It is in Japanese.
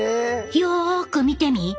よく見てみ。